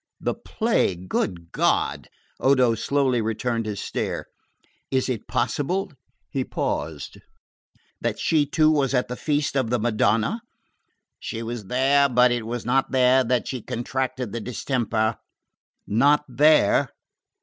"The plague? Good God!" Odo slowly returned his stare. "Is it possible " he paused "that she too was at the feast of the Madonna?" "She was there, but it was not there that she contracted the distemper." "Not there